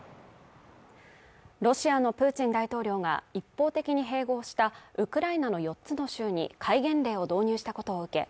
ロシアのプーチン大統領が一方的に併合したウクライナの４つの州に戒厳令を導入したことを受け